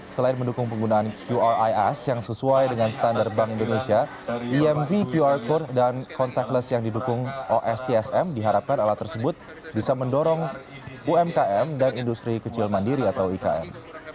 selain mendukung penggunaan qris yang sesuai dengan standar bank indonesia imv qr code dan contactless yang didukung ostsm diharapkan alat tersebut bisa mendorong umkm dan industri kecil mandiri atau ikm